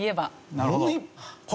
なるほど。